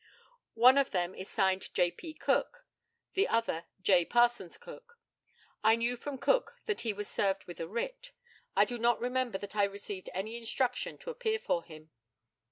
] One of them is signed "J. P. Cook," the other "J. Parsons Cook." I knew from Cook that he was served with a writ. I do not remember that I received any instruction to appear for him.